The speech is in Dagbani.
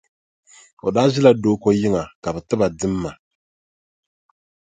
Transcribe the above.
O daa ʒila Dooko yiŋa ka bɛ ti ba dimma.